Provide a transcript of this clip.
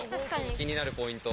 気になるポイント。